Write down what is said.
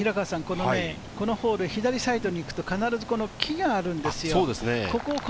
このホール、左サイドに行くと必ず木があるんですよ。